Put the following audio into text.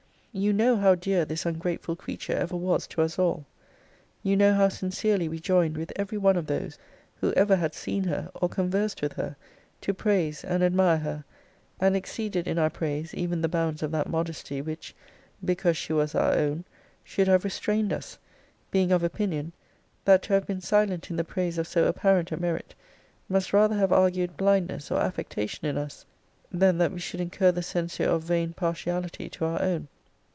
You know how dear this ungrateful creature ever was to us all. You know how sincerely we joined with every one of those who ever had seen her, or conversed with her, to praise and admire her; and exceeded in our praise even the bounds of that modesty, which, because she was our own, should have restrained us; being of opinion, that to have been silent in the praise of so apparent a merit must rather have argued blindness or affectation in us, than that we should incur the censure of vain partiality to our own.